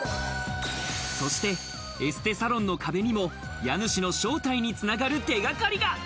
そしてエステサロンの壁にも家主の正体につながる手掛かりが。